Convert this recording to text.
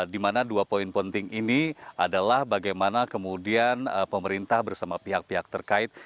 di mana dua poin penting ini adalah bagaimana kemudian pemerintah bersama pihak pihak terkait